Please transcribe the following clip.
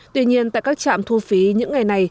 tuy nhiên tại các trạm thu phí những ngày này